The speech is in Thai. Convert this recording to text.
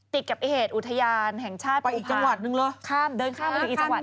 ติดกับเกศอุทยานแห่งชาติภูพานไปอีกจังหวัดนึงเหรอ